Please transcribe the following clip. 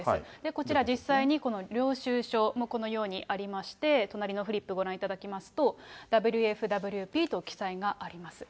こちら実際に、この領収書もこのようにありまして、隣のフリップご覧いただきますと、ＷＦＷＰと記載があります。